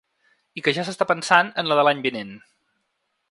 I que ja s’està pensant en la de l’any vinent.